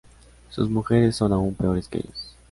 Sus mujeres, son aún peores que ellos.